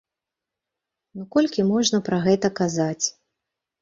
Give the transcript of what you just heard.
Ну колькі можна пра гэта казаць.